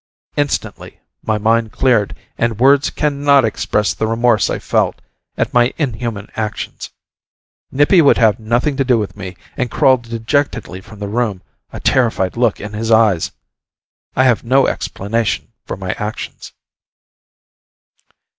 Instantly, my mind cleared, and words cannot express the remorse I felt at my inhuman actions. Nippy would have nothing to do with me, and crawled dejectedly from the room, a terrified look in his eyes. I have no explanation for my actions.